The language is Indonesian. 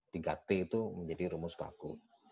tiga t itu menjadi rumus baku